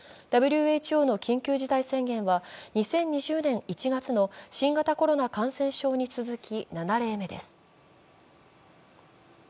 ＷＨＯの緊急事態宣言は２０２０年１月の新型コロナ感染症に続き７例目です。